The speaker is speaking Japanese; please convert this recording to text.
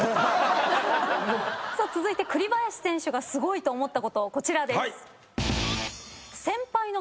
続いて栗林選手がすごいと思ったことこちらです。